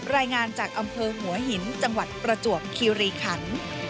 รายงานจากอำเภอหัวหินจังหวัดประจวบคีรีขัน